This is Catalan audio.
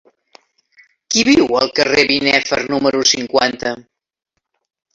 Qui viu al carrer de Binèfar número cinquanta?